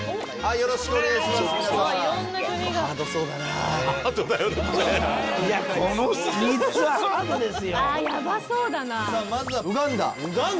よろしくお願いします。